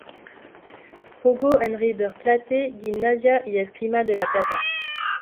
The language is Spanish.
Jugó en River Plate, Gimnasia y Esgrima de La Plata.